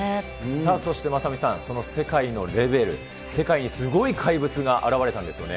さあ、そして雅美さん、その世界のレベル、世界にすごい怪物が現れたんですよね。